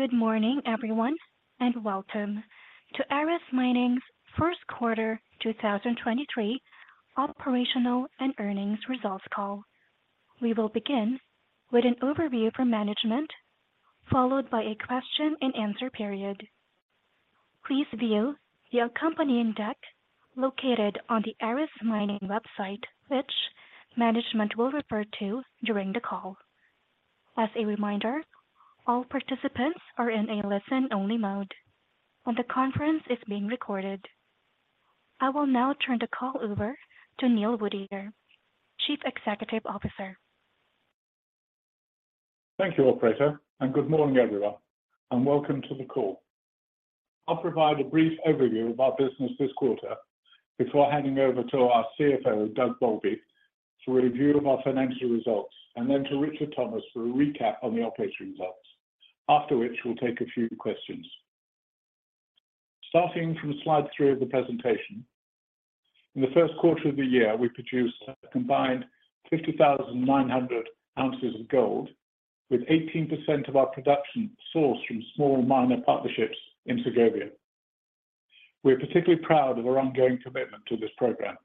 Good morning, everyone, and welcome to Aris Mining's First Quarter 2023 Operational and Earnings Results Call. We will begin with an overview from management, followed by a question and answer period. Please view the accompanying deck located on the Aris Mining website, which management will refer to during the call. As a reminder, all participants are in a listen-only mode, and the conference is being recorded. I will now turn the call over to Neil Woodyer, Chief Executive Officer. Thank you, operator, and good morning, everyone, and welcome to the call. I'll provide a brief overview of our business this quarter before handing over to our CFO, Doug Bowlby, for a review of our financial results, and then to Richard Thomas for a recap on the operation results. After which, we'll take a few questions. Starting from Slide three of the presentation. In the first quarter of the year, we produced a combined 50,900 ounces of gold, with 18% of our production sourced from small miner partnerships in Segovia. We're particularly proud of our ongoing commitment to this program.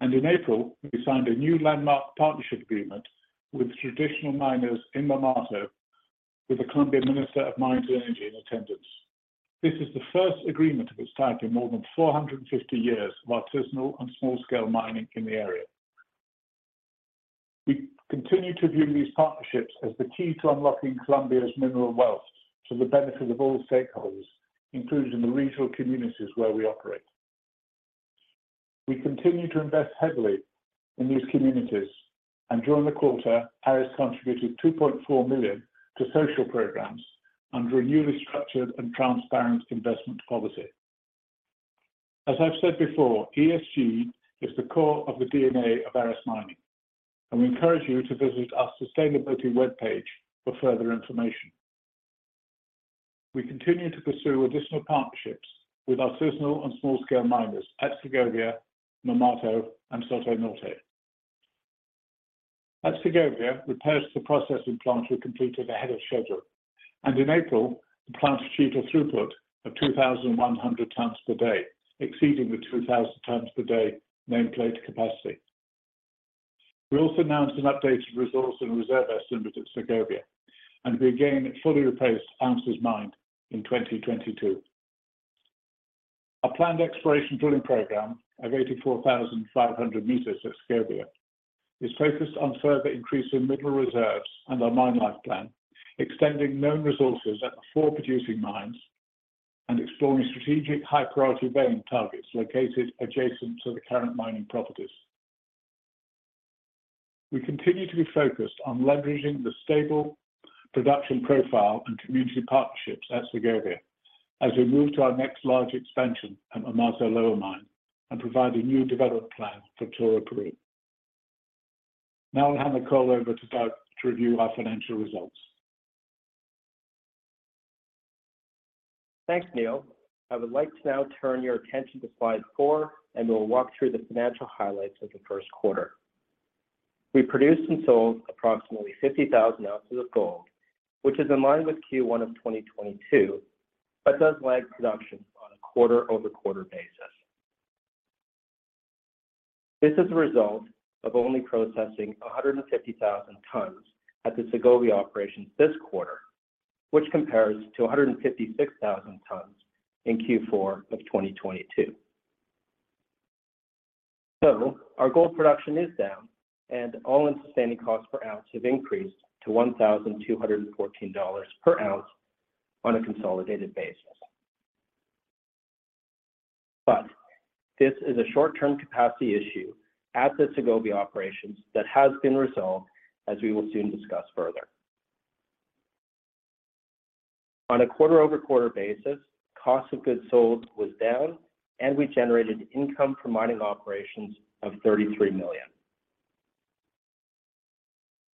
In April, we signed a new landmark partnership agreement with traditional miners in Marmato, with the Colombia Ministry of Mines and Energy in attendance. This is the first agreement of its type in more than 450 years of artisanal and small-scale mining in the area. We continue to view these partnerships as the key to unlocking Colombia's mineral wealth to the benefit of all stakeholders, including the regional communities where we operate. We continue to invest heavily in these communities. During the quarter, Aris contributed $2.4 million to social programs under a newly structured and transparent investment policy. As I've said before, ESG is the core of the DNA of Aris Mining. We encourage you to visit our sustainability webpage for further information. We continue to pursue additional partnerships with artisanal and small-scale miners at Segovia, Marmato, and Soto Norte. At Segovia, repairs to the processing plant were completed ahead of schedule. In April, the plant achieved a throughput of 2,100 tons per day, exceeding the 2,000 tons per day nameplate capacity. We also announced an updated resource and reserve estimate at Segovia. We again fully replaced ounces mined in 2022. Our planned exploration drilling program of 84,500 meters at Segovia is focused on further increasing mineral reserves and our mine life plan, extending known resources at the four producing mines and exploring strategic high-priority vein targets located adjacent to the current mining properties. We continue to be focused on leveraging the stable production profile and community partnerships at Segovia as we move to our next large expansion at Marmato lower mine and provide a new development plan for Toroparu. I'll hand the call over to Doug to review our financial results. Thanks, Neil. I would like to now turn your attention to Slide four, and we'll walk through the financial highlights of the first quarter. We produced and sold approximately 50,000 oz of gold, which is in line with Q1 of 2022 but does lag production on a quarter-over-quarter basis. This is a result of only processing 150,000 tonnes at the Segovia operations this quarter, which compares to 156,000 tonnes in Q4 of 2022. Our gold production is down, and all-in sustaining costs per ounce have increased to $1,214 per ounce on a consolidated basis. This is a short-term capacity issue at the Segovia operations that has been resolved, as we will soon discuss further. On a quarter-over-quarter basis, cost of goods sold was down. We generated income from mining operations of $33 million.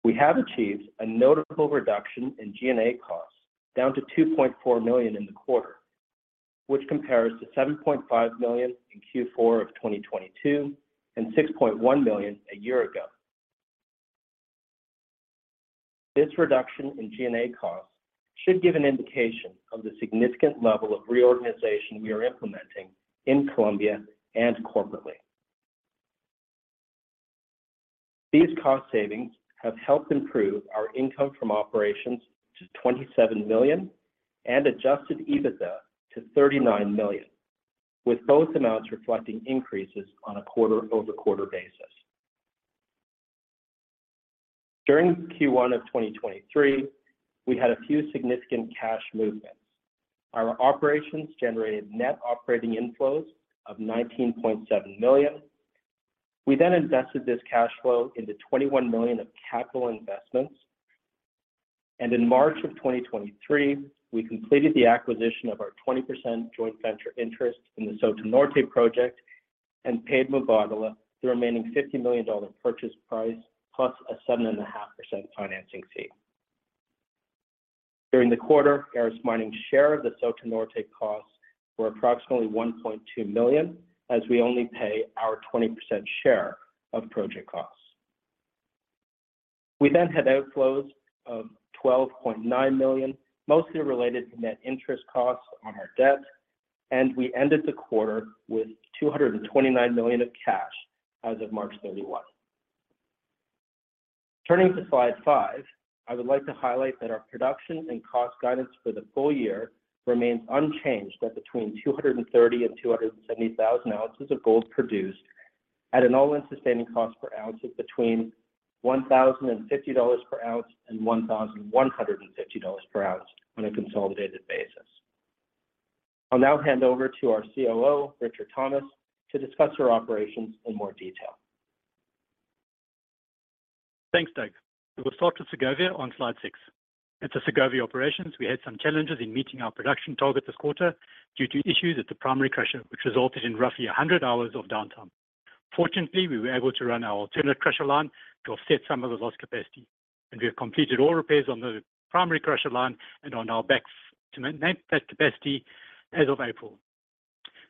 We have achieved a notable reduction in G&A costs, down to $2.4 million in the quarter, which compares to $7.5 million in Q4 of 2022 and $6.1 million a year ago. This reduction in G&A costs should give an indication of the significant level of reorganization we are implementing in Colombia and corporately. These cost savings have helped improve our income from operations to $27 million and Adjusted EBITDA to $39 million, with both amounts reflecting increases on a quarter-over-quarter basis. During Q1 of 2023, we had a few significant cash movements. Our operations generated net operating inflows of $19.7 million. We invested this cash flow into $21 million of capital investments. In March of 2023, we completed the acquisition of our 20% joint venture interest in the Soto Norte project and paid Mubadala the remaining $50 million purchase price plus a 7.5% financing fee. During the quarter, Aris Mining's share of the Soto Norte costs were approximately $1.2 million, as we only pay our 20% share of project costs. We had outflows of $12.9 million, mostly related to net interest costs on our debt, and we ended the quarter with $229 million of cash as of March 31. Turning to Slide five, I would like to highlight that our production and cost guidance for the full year remains unchanged at between 230,000 and 270,000 oz of gold produced at an all-in sustaining cost per ounce of between $1,050 per oz and $1,150 per oz on a consolidated basis. I'll now hand over to our COO, Richard Thomas, to discuss our operations in more detail. Thanks, Doug. We will start with Segovia on Slide six. At the Segovia operations, we had some challenges in meeting our production target this quarter due to issues at the primary crusher, which resulted in roughly 100 hours of downtime. Fortunately, we were able to run our alternate crusher line to offset some of the lost capacity, and we have completed all repairs on the primary crusher line and on our backs to maintain that capacity as of April.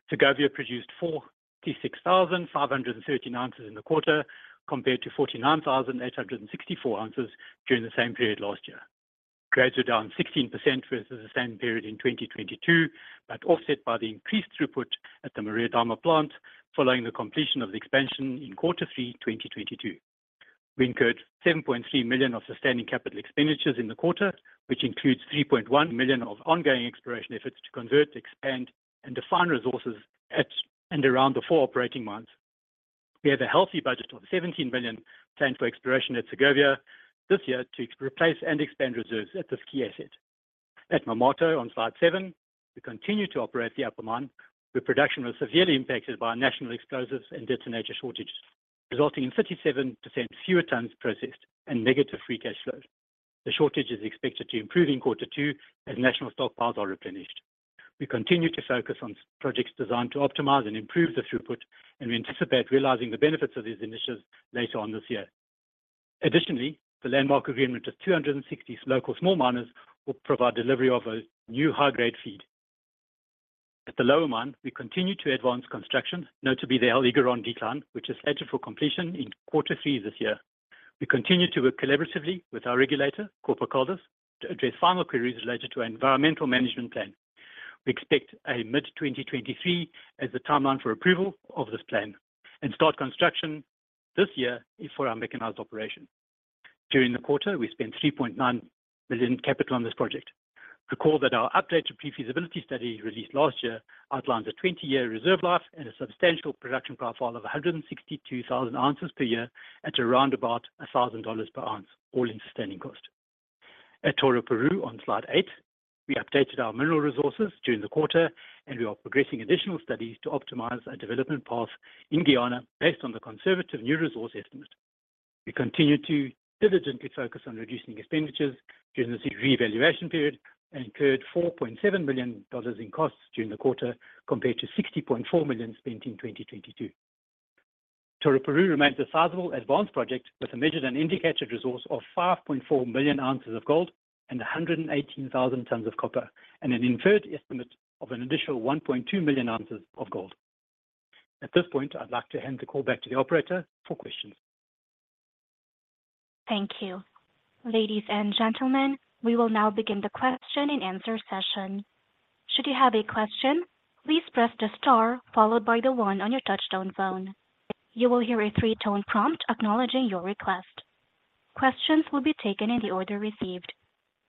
Segovia produced 46,513 oz in the quarter, compared to 49,864 ounces during the same period last year. Grades were down 16% versus the same period in 2022, but offset by the increased throughput at the Maria Dama plant following the completion of the expansion in quarter three, 2022. We incurred $7.3 million of sustaining capital expenditures in the quarter, which includes $3.1 million of ongoing exploration efforts to convert, expand, and define resources at and around the four operating mines. We have a healthy budget of $17 billion planned for exploration at Segovia this year to replace and expand reserves at this key asset. At Marmato on Slide seven, we continue to operate the upper mine, where production was severely impacted by national explosives and detonator shortages, resulting in 37% fewer tons processed and negative free cash flow. The shortage is expected to improve in Q2 as national stockpiles are replenished. We continue to focus on projects designed to optimize and improve the throughput, and we anticipate realizing the benefits of these initiatives later on this year. The landmark agreement of 260 local small miners will provide delivery of a new high-grade feed. At the lower mine, we continue to advance construction, notably the El Higuerón decline, which is slated for completion in Q3 this year. We continue to work collaboratively with our regulator, Corpocaldas, to address final queries related to our environmental management plan. We expect a mid-2023 as the timeline for approval of this plan and start construction this year if for our mechanized operation. During the quarter, we spent $3.9 million CapEx on this project. Recall that our update to pre-feasibility study released last year outlines a 20-year reserve life and a substantial production profile of 162,000 ounces per year at around about a $1,000 per ounce, all-in sustaining cost. At Toroparu on Slide eight, we updated our mineral resources during the quarter, and we are progressing additional studies to optimize a development path in Guyana based on the conservative new resource estimate. We continue to diligently focus on reducing expenditures during this reevaluation period and incurred $4.7 million in costs during the quarter compared to $60.4 million spent in 2022. Toroparu remains a sizable advanced project with a measured and indicated resource of 5.4 million oz of gold and 118,000 tons of copper and an inferred estimate of an additional 1.2 million ounces of gold. At this point, I'd like to hand the call back to the operator for questions. Thank you. Ladies and gentlemen, we will now begin the question-and-answer session. Should you have a question, please press the star followed by the one on your touchtone phone. You will hear a three-tone prompt acknowledging your request. Questions will be taken in the order received.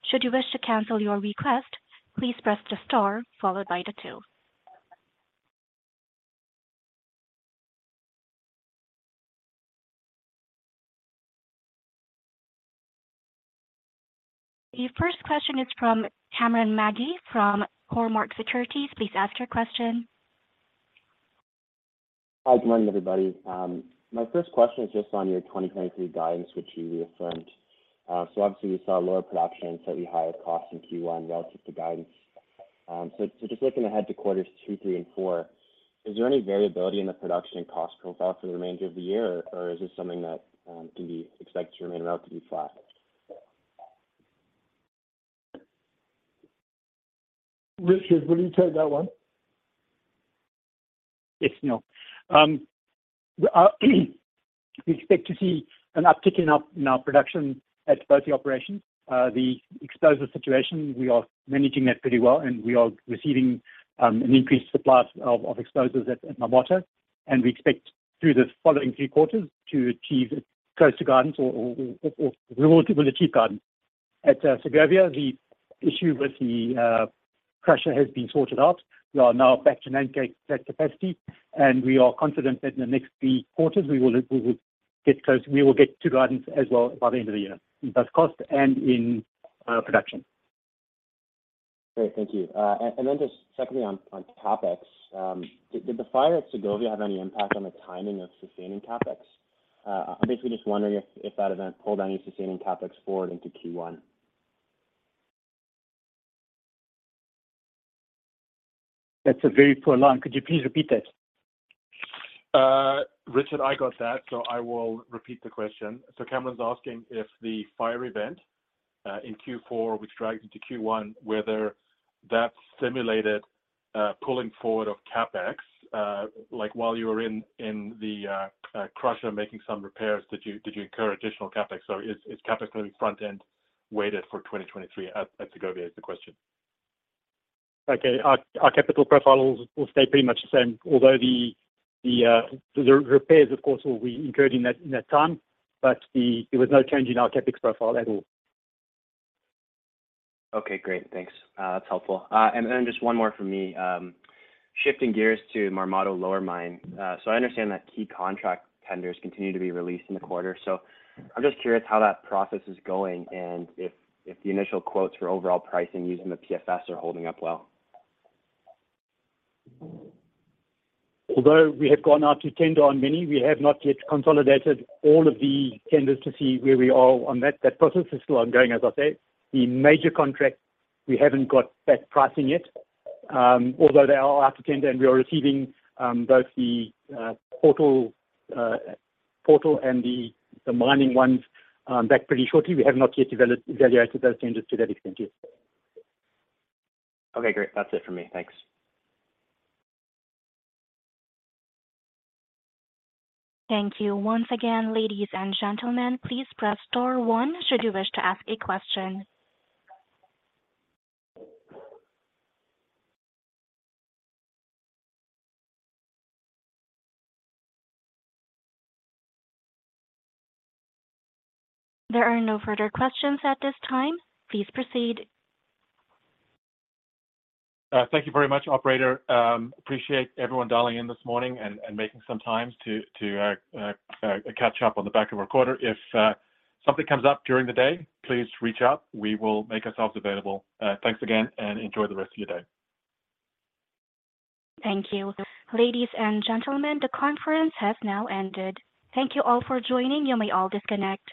Should you wish to cancel your request, please press the star followed by the two. Your first question is from Cameron Magee from Cormark Securities. Please ask your question. Hi, good morning, everybody. My first question is just on your 2023 guidance, which you reaffirmed. Obviously we saw lower production and slightly higher costs in Q1 relative to guidance. Just looking ahead to quarters two, three, and four, is there any variability in the production and cost profile for the remainder of the year, or is this something that can be expected to remain relatively flat? Richard, will you take that one? Yes, Neil. We expect to see an upticking up in our production at both the operations. The exposure situation, we are managing that pretty well, and we are receiving an increased supply of explosives at Marmato. We expect through the following three quarters to achieve close to guidance or we will achieve guidance. At Segovia, the issue with the crusher has been sorted out. We are now back to nameplate capacity, and we are confident that in the next three quarters we will get to guidance as well by the end of the year in both cost and in production. Great. Thank you. Then just secondly on CapEx, did the fire at Segovia have any impact on the timing of sustaining CapEx? I'm basically just wondering if that event pulled any sustaining CapEx forward into Q1. That's a very poor line. Could you please repeat that? Richard, I got that, so I will repeat the question. Cameron's asking if the fire event- In Q4, which drags into Q1, whether that simulated pulling forward of CapEx, like while you were in the crusher making some repairs, did you incur additional CapEx? Is CapEx gonna be front end weighted for 2023 at Segovia is the question? Okay. Our capital profile will stay pretty much the same. Although the repairs of course will be incurred in that, in that time, but there was no change in our CapEx profile at all. Okay, great. Thanks. That's helpful. Just one more from me. Shifting gears to Marmato lower mine. I understand that key contract tenders continue to be released in the quarter. I'm just curious how that process is going, and if the initial quotes for overall pricing using the PFS are holding up well. Although we have gone out to tender on many, we have not yet consolidated all of the tenders to see where we are on that. That process is still ongoing, as I say. The major contract, we haven't got that pricing yet. Although they are out to tender, and we are receiving, both the portal and the mining ones, back pretty shortly. We have not yet evaluated those tenders to that extent yet. Okay, great. That's it for me. Thanks. Thank you. Once again, ladies and gentlemen, please press star one should you wish to ask a question. There are no further questions at this time. Please proceed. Thank you very much, operator. Appreciate everyone dialing in this morning and making some times to catch up on the back of our quarter. If something comes up during the day, please reach out. We will make ourselves available. Thanks again. Enjoy the rest of your day. Thank you. Ladies and gentlemen, the conference has now ended. Thank you all for joining. You may all disconnect.